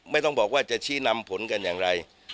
ไม่ต้องบอกว่าจะชี้นำผลกันอย่างไร